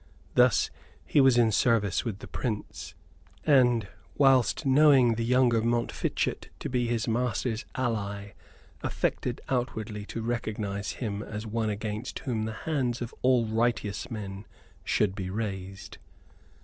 Thus he was in service with the Prince; and, whilst knowing the younger Montfichet to be his master's ally, affected outwardly to recognize him as one against whom the hands of all righteous men should be raised.